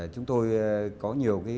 chúng tôi có nhiều